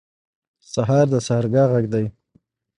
سهار د سحرګاه غږ دی.